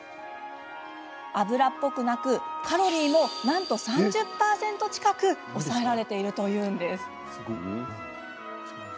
油っぽくなくカロリーもなんと３０％近く抑えられているというんです。